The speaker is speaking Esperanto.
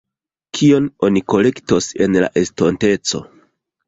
Kion oni kolektos en la estonteco?